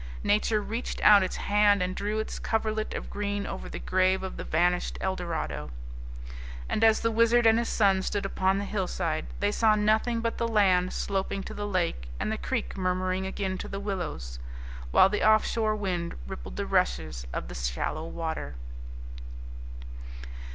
Nature reached out its hand and drew its coverlet of green over the grave of the vanished Eldorado. And as the Wizard and his son stood upon the hillside, they saw nothing but the land sloping to the lake and the creek murmuring again to the willows, while the off shore wind rippled the rushes of the shallow water.